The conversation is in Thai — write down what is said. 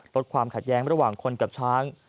ลดความขัดแย้งระหว่างคนกับช้าง